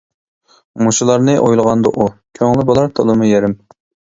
مۇشۇلارنى ئويلىغاندا ئۇ، كۆڭلى بولار تولىمۇ يېرىم.